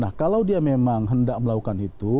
nah kalau dia memang hendak melakukan itu